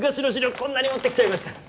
こんなに持ってきちゃいました。